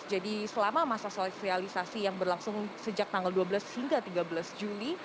jadi selama masa sosialisasi yang berlangsung sejak tanggal dua belas hingga tiga belas juli